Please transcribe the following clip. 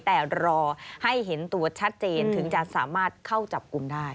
แต่รอให้เห็นตัวชัดเจนถึงจะสามารถเข้าจับกลุ่มได้